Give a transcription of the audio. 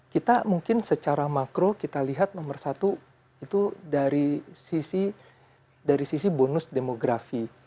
kita mungkin secara makro kita lihat nomor satu itu dari sisi bonus demografi